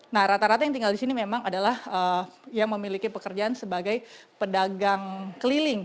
nah rata rata yang tinggal di sini memang adalah yang memiliki pekerjaan sebagai pedagang keliling